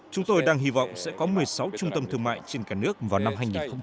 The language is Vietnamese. chúng tôi đang hy vọng sẽ có một mươi sáu trung tâm thương mại trên cả nước vào năm hai nghìn hai mươi